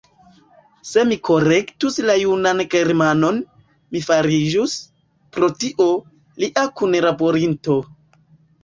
Se mi korektus la junan Germanon, mi fariĝus, pro tio, lia kunlaborinto.